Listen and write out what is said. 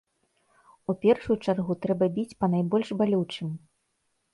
У першую чаргу трэба біць па найбольш балючым.